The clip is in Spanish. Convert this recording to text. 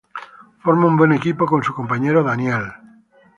Forma un buen equipo con su compañero Daniel.